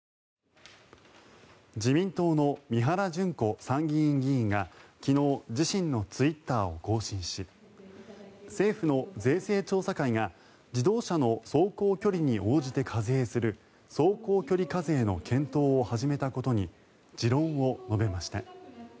自民党の三原じゅん子参議院議員が昨日、自身のツイッターを更新し政府の税制調査会が自動車の走行距離に応じて課税する走行距離課税の検討を始めたことに持論を述べました。